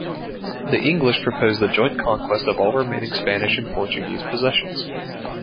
The English proposed the joint conquest of all remaining Spanish and Portuguese possessions.